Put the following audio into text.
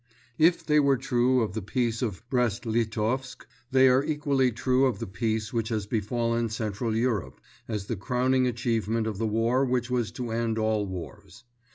If they were true of the Peace of Brest Litovsk, they are equally true of the Peace which has befallen Central Europe as the crowning achievement of the war which was to end all wars.